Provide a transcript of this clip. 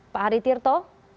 pak hari tirto